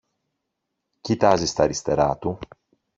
Κοιτάζει στ’ αριστερά του